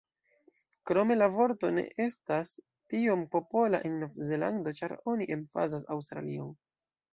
Krome la vorto ne estas tiom popola en Novzelando ĉar oni emfazas Aŭstralion.